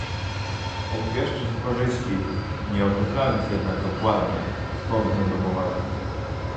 Obwieszcza się korzyści, nie określając jednak dokładnie, skąd będą pochodzić